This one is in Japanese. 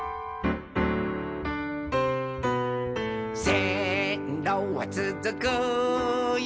「せんろはつづくよ